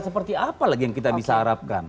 seperti apa lagi yang kita bisa harapkan